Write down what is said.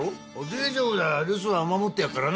大丈夫だ留守は守ってやっからな。